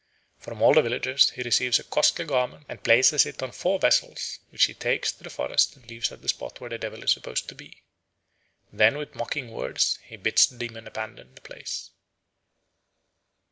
From all the villagers he receives a costly garment and places it on four vessels, which he takes to the forest and leaves at the spot where the devil is supposed to be. Then with mocking words he bids the demon abandon the place.